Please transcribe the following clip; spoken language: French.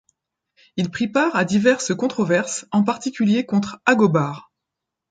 Il prit part à diverses controverses, en particulier contre Agobard.